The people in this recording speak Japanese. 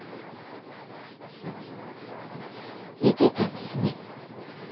寝てたんですね。